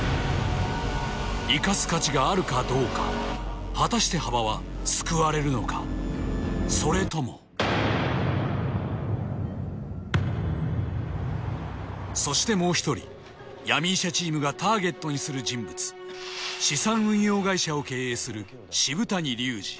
生かす価値があるかどうか果たして羽場は救われるのかそれともそしてもう１人闇医者チームがターゲットにする人物資産運用会社を経営する渋谷隆治